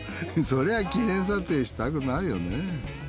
そりゃ記念撮影したくなるよね。